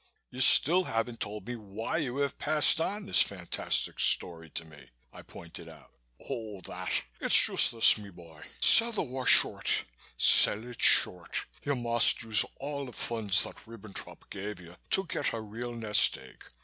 "You still haven't told me why you have passed on this fantastic story to me," I pointed out. "Oh, that? It's just this, my boy. Sell the war short! Sell it short! You must use all the funds that Ribbentrop gave you to get a real nest egg.